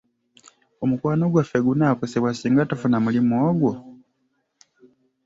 Omukwano gwaffe gunaakosebwa singa tofuna mulimu ogwo?